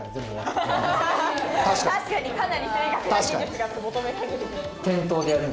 確かにかなり正確な技術が求められる。